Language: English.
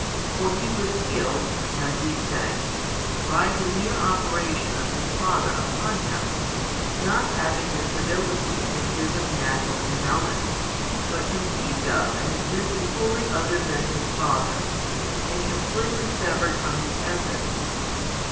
For He was sealed (as ye say) by the mere Operation of His Father upon Him, not having the stability that'is of natural Endowments, but conceived of and existing wholly other than His Father, and completely severed from His Essence.